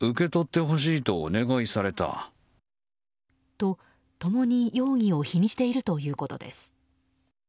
と、共に容疑を否認しているということです。